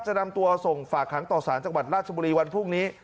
จะนำตัวส่งฝากหางต่อสารจังหวัดราชบุรีวันพรุ่งนี้